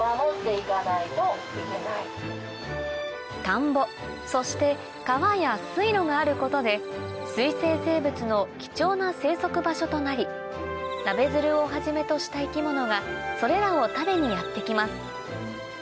田んぼそして川や水路があることで水生生物の貴重な生息場所となりナベヅルをはじめとした生き物がそれらを食べにやって来ます